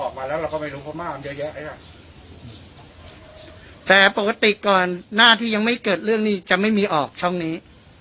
ออกมาแล้วเราก็ไม่รู้พม่ามันเยอะแยะแต่ปกติก่อนหน้าที่ยังไม่เกิดเรื่องนี้จะไม่มีออกช่องนี้